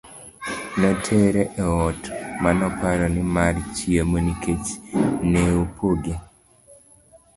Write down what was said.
notere e ot manoparo ni mar chiemo nikech ne opoge